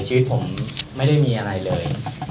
ชีวิตผมไม่ได้มีอะไรเลย